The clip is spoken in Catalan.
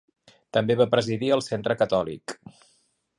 També va presidir el Centre Catòlic.